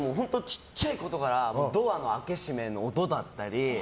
小さいことからドアの開け閉めの音だったり。